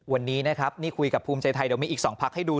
วันนี้นะครับนี่คุยกับภูมิใจไทยเดี๋ยวมีอีก๒พักให้ดู